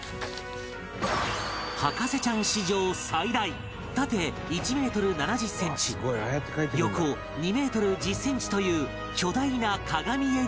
博士ちゃん史上最大縦１メートル７０センチ横２メートル１０センチという巨大な鏡絵に挑む